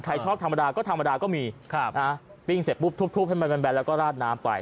ชอบธรรมดาก็ธรรมดาก็มีปิ้งเสร็จปุ๊บทุบให้มันแบนแล้วก็ราดน้ำไป